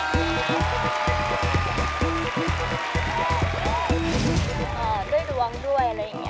ด้วยดวงด้วยอะไรอย่างนี้